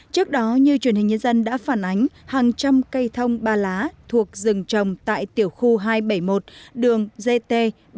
trước đó như truyền hình nhân dân đã phản ánh hàng trăm cây thông ba lá thuộc rừng trồng tại tiểu khu hai trăm bảy mươi một đường gt bảy trăm ba